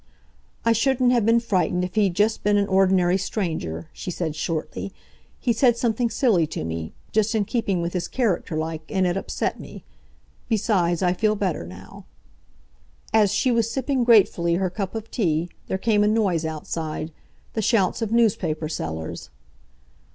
"I shouldn't have been frightened if he'd just been an ordinary stranger," she said shortly. "He said something silly to me—just in keeping with his character like, and it upset me. Besides, I feel better now." As she was sipping gratefully her cup of tea, there came a noise outside, the shouts of newspaper sellers.